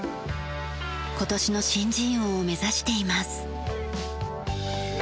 今年の新人王を目指しています。